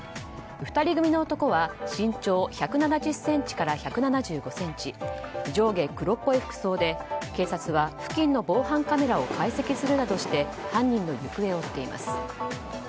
２人組の男は身長１７０ｃｍから１７５ｃｍ上下黒っぽい服装で警察は付近の防犯カメラを解析するなどして犯人の行方を追っています。